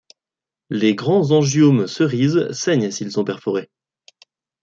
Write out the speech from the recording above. Les grands angiomes cerises saignent s'ils sont perforés.